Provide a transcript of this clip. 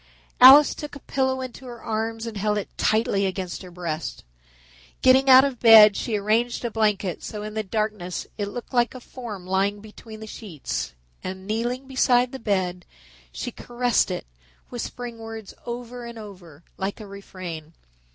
Alice took a pillow into her arms and held it tightly against her breasts. Getting out of bed, she arranged a blanket so that in the darkness it looked like a form lying between the sheets and, kneeling beside the bed, she caressed it, whispering words over and over, like a refrain.